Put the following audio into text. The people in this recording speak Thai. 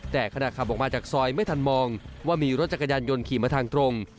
แต่ขณะขับออกมาจากซอยไม่ทันมองว่ามีรถจักรยานยนต์ขี่มาทางตรง